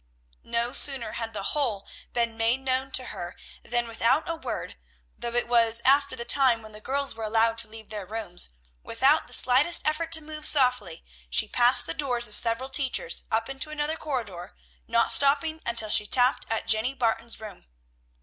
No sooner had the whole been made known to her, than without a word, though it was after the time when the girls were allowed to leave their rooms, without the slightest effort to move softly, she passed the doors of several teachers, up into another corridor, not stopping until she tapped at Jenny Barton's room.